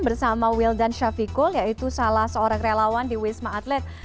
bersama wildan syafikul yaitu salah seorang relawan di wisma atlet